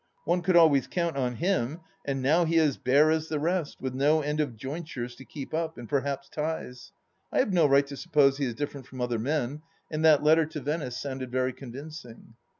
One could always count on him, and now he is bare as the rest, with no end of jointures to keep up, and perhaps ties. ... I have no right to suppose he is different from other men, and that letter to Venice sounded very convincing. ...